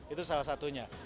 itu salah satunya